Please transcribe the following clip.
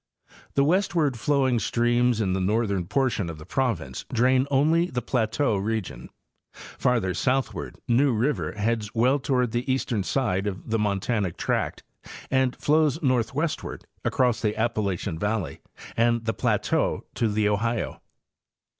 The westward flowing streams in the north ern portion of the province drain only the plateau region. Far ther southward New river heads well toward the eastern side of the montanic tract and flows northwestward across the Appalachian valley and the plateau to the Ohio.